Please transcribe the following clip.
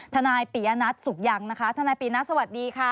นายปียะนัทสุขยังนะคะทนายปีนัทสวัสดีค่ะ